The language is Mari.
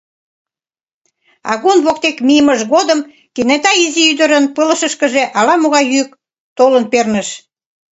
Агун воктек мийымыж годым кенета изи ӱдырын пылышышкыже ала-могай йӱк толын перныш.